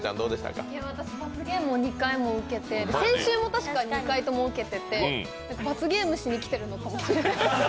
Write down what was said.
私、罰ゲームを２回も受けて、先週もたしか２回とも受けてて罰ゲームしに来てるのかもしれない。